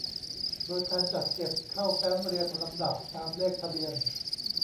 โดยการจัดเก็บเข้าแฟ้มเรียงลำดับตามเลขทะเบียน